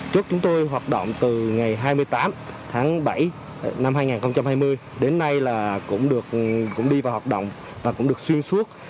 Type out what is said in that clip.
trước chúng tôi hoạt động từ ngày hai mươi tám tháng bảy năm hai nghìn hai mươi đến nay là cũng đi vào hoạt động và cũng được xuyên suốt